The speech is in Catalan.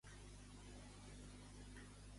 De què ha alertat Collboni a Colau?